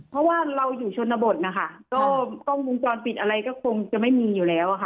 เพราะว่าเราอยู่ชนบทนะคะก็กล้องวงจรปิดอะไรก็คงจะไม่มีอยู่แล้วค่ะ